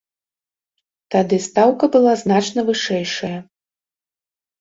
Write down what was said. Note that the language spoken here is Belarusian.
Тады стаўка была значна вышэйшая.